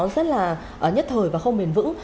rất là nhất thời và không mềm vững